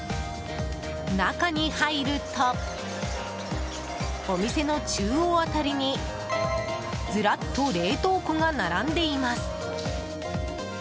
中に入ると、お店の中央辺りにずらっと冷凍庫が並んでいます。